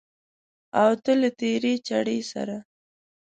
او ته له تېرې چړې سره